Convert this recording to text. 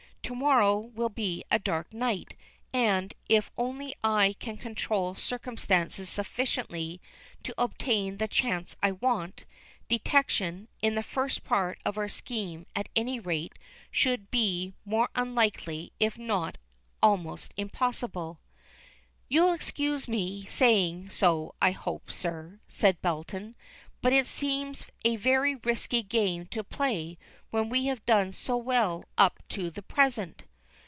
To morrow will be a dark night, and, if only I can control circumstances sufficiently to obtain the chance I want, detection, in the first part of our scheme at any rate, should be more unlikely, if not almost impossible." "You'll excuse my saying so, I hope, sir," said Belton, "but it seems a very risky game to play when we have done so well up to the present."